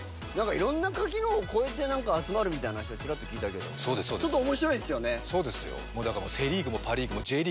いろんな垣根を越えて集まるみたいに、ちらっと聞いたけど、ちょっと面白いですよね。